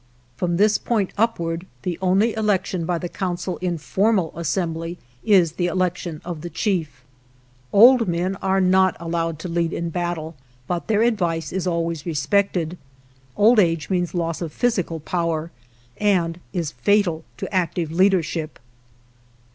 From this point upward the only election by the council in formal assembly is the elec tion of the chief. Old men are not allowed to lead in battle, but their advice is always respected. Old age means loss of physical power and is fatal to active leadership.